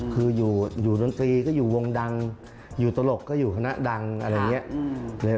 คืออยู่ดนตรีก็อยู่วงดังอยู่ตลกก็อยู่คณะดังอะไรอย่างนี้